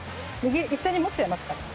一緒に持っちゃいますか。